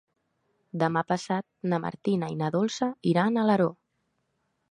Demà passat na Martina i na Dolça iran a Alaró.